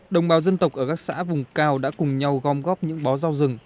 đồng bào dân tộc ở các xã vùng cao đã cùng nhau gom góp những bó rau rừng